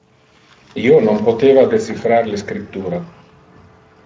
Io non poteva decifrar le scriptura.